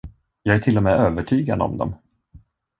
Jag är till och med övertygad om dem.